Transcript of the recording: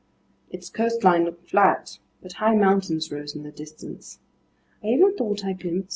Its coastline looked flat, but high mountains rose in the distance. I even thought I glimpsed Mt.